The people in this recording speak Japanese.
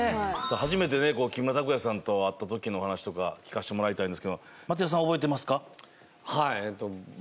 初めてね木村拓哉さんと会った時のお話とか聞かせてもらいたいんですけど松也さん覚えてますか？